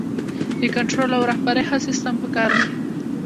د کنټرول او رهبرۍ ښه سیستم پکار دی.